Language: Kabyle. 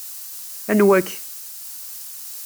Anwa-k?